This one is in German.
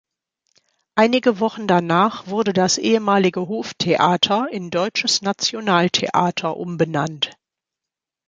Einige Wochen danach wurde das ehemalige Hoftheater in Deutsches Nationaltheater umbenannt.